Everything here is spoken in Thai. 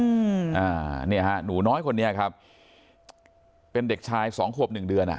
อืมอ่าเนี่ยฮะหนูน้อยคนนี้ครับเป็นเด็กชายสองขวบหนึ่งเดือนอ่ะ